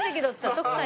徳さん